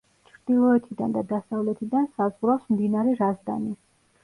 ჩრდილოეთიდან და დასავლეთიდან საზღვრავს მდინარე რაზდანი.